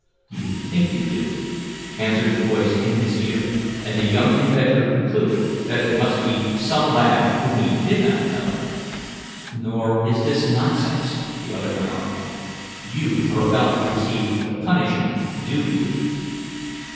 "You think you do," answered the voice in his ear, and the young inventor concluded that it must be some lad whom he did not know. "Nor is this nonsense," the other went on. "You are about to receive the punishment due you."